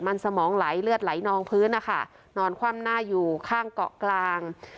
มันสมองไหลเลือดไหลนองพื้นนะคะนอนคว่ำหน้าอยู่ข้างเกาะกลาง